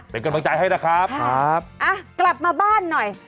เป็นกำลังใจให้นะครับครับอ่ะกลับมาบ้านหน่อย